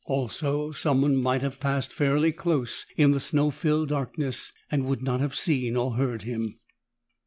Also, someone might have passed fairly close in the snow filled darkness and would not have seen or heard him.